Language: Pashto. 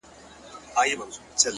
هره ناکامي د نوې تجربې ډالۍ ده!